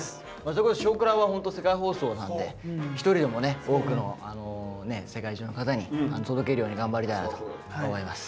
それこそ「少クラ」はホント世界放送なんで一人でもね多くの世界中の方に届けるように頑張りたいなと思います。